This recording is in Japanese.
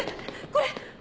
これ！